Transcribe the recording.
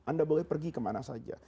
anda boleh pergi kemana saja